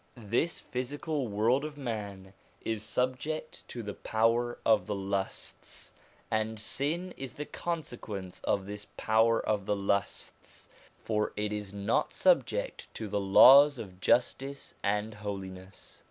This physical world of man is subject to the power of the lusts, and sin is the consequence of this power of the lusts, for it is not subject to the laws of justice and holiness.